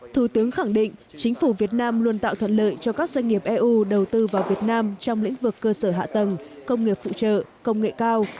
thủ tướng khẳng định chính phủ việt nam luôn tạo thuận lợi cho các doanh nghiệp eu đầu tư vào việt nam trong lĩnh vực cơ sở hạ tầng công nghiệp phụ trợ công nghệ cao